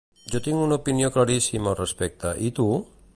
Jo tinc una opinió claríssima al respecte, i tu?